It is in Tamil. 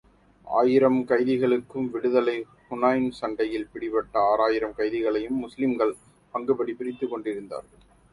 ஆறாயிரம் கைதிகளுக்கும் விடுதலை ஹுனைன் சண்டையில் பிடிபட்ட ஆறாயிரம் கைதிகளையும், முஸ்லிம்கள் பங்குப்படி பிரித்துக் கொண்டிருந்தார்கள்.